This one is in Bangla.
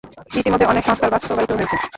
ইতিমধ্যে অনেক সংস্কার বাস্তবায়িত হয়েছে।